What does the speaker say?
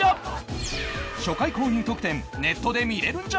初回購入特典ネットで見れるんじゃ！！